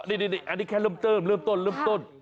นี่นี่แค่เริ่มเติมเริ่มต้น